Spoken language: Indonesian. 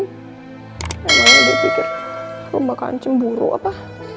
emangnya dia pikir rum bakalan cemburu apa